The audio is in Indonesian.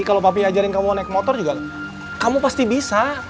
kalau papi ajarin kamu naik motor juga kamu pasti bisa